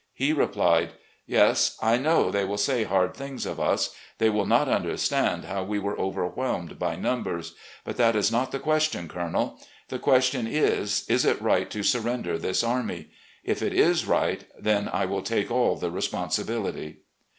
he replied: " Yes, I know they will say hard things of us ; they will not understand how we were overwhelmed by numbers; 152 RECOLLECTIONS OF GENERAL LEE but that is not the question, Colonel ; the question is, is it right to surrender this army? If it is right, then I will take aU the responsibility."